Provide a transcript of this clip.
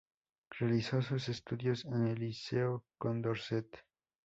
Realizó sus estudios en el liceo Condorcet.